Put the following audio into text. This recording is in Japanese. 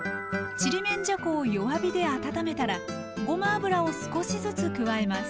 ちりめんじゃこを弱火で温めたらごま油を少しずつ加えます。